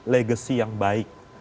legasi yang baik